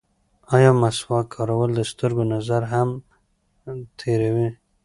ایا مسواک کارول د سترګو نظر هم تېروي؟